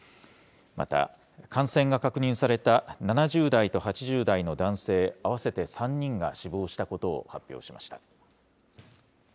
また、感染が確認された７０代と８０代の男性合わせて３人が死亡したことを発表しました。